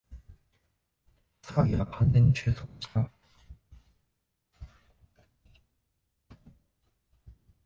騒ぎは完全に収束した